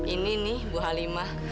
ini nih bu halimah